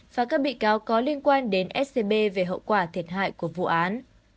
và các bị cáo có liên quan đến scb về hậu quả thiệt hại của vụ án